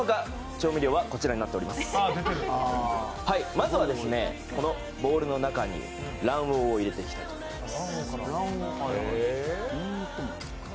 まずは、このボウルの中に卵黄を入れていきます。